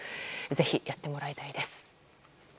ぜひやってもらいたいです。